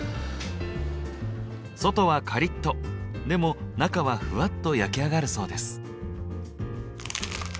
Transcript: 外はカリッとでも中はふわっと焼き上がるそうです。